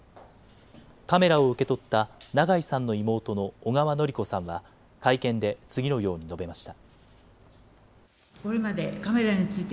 カメラを受け取った長井さんの妹の小川典子さんは会見で次のように述べました。